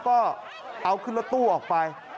ก็เอาขึ้นรถตู้ออกไป